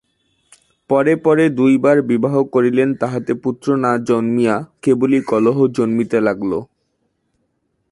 পরে পরে দুইবার বিবাহ করিলেন তাহাতে পুত্র না জন্মিয়া কেবলই কলহ জন্মিতে লাগিল।